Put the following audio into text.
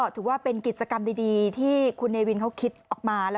ถือว่าเป็นกิจกรรมดีที่คุณเนวินเขาคิดออกมา